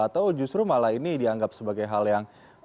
atau justru malah ini dianggap sebagai hal yang